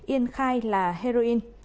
yên khai là heroin